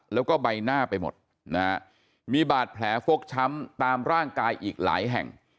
แล้วก็ใบหน้าไปหมดนะฮะมีบาดแผลฟกช้ำตามร่างกายอีกหลายแห่ง